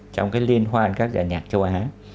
trong cái liên hoan các giả nhạc châu á